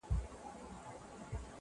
غنم ووېشه پر دواړو جوالونو،